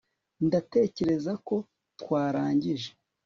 ndatekereza ko twarangije